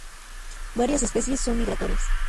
Varias especies son migratorias.